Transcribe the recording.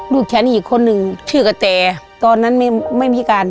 ฉันอีกคนนึงชื่อกระแต่ตอนนั้นไม่มีการ